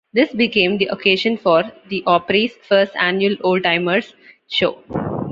This became the occasion for the Opry's first annual Old Timers' Show.